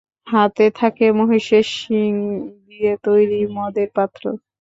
হাতে থাকে মহিষের শিং দিয়ে তৈরি মদের পাত্র।